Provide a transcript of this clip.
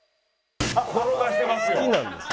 転がしてますよ。